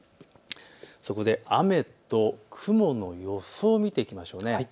そこで雨と雲の予想を見ていきましょう。